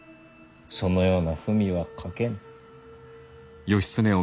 そのような文は書けぬ。